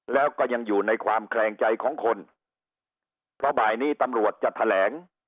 แล้วก็ยังอยู่ในความแคลงใจของคนเพราะบ่ายนี้ตำรวจจะแถลง